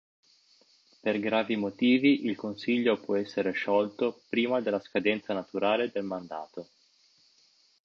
Per gravi motivi il consiglio può essere sciolto prima della scadenza naturale del mandato.